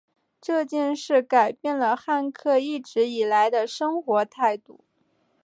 这件事改变了汉克一直以来的生活态度。